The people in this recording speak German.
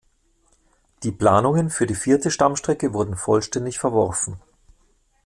Die Planungen für die vierte Stammstrecke wurden vollständig verworfen.